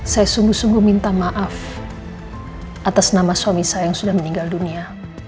saya sungguh sungguh minta maaf atas nama suami saya yang sudah meninggal dunia